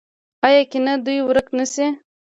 آیا کینه دې ورک نشي؟